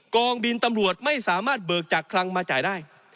กองบินตำรวจไม่สามารถเบิกจากคลังมาจ่ายได้